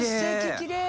きれい。